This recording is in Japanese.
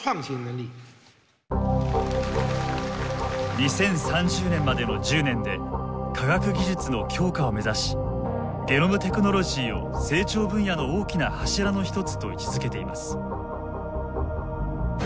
２０３０年までの１０年で科学技術の強化を目指しゲノムテクノロジーを成長分野の大きな柱の一つと位置づけています。